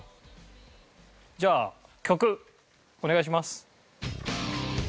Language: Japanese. じゃあ曲お願いします。